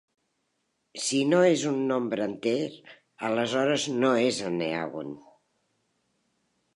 Si no és un nombre enter, aleshores no es enneàgon.